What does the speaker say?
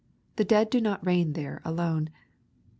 The dead do not reign there alone.